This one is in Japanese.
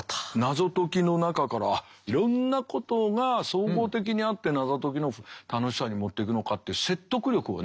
謎解きの中からいろんなことが総合的にあって謎解きの楽しさに持ってくのかっていう説得力をね。